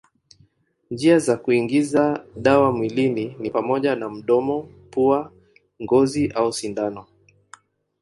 Njia za kuingiza dawa mwilini ni pamoja na mdomo, pua, ngozi au sindano.